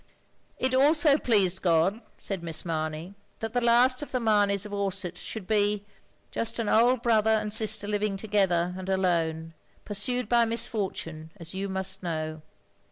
"It also pleased God," said Miss Mamey, "that the last of the Mameys of Orsett should be — ^just an old brother and sister living together, and alone; ptirsued by misfortune, as you must know."